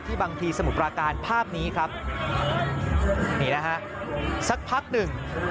บางทีสมุทรปราการภาพนี้ครับนี่นะฮะสักพักหนึ่ง